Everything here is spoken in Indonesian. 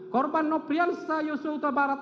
korban nopiansa yosua kutabarat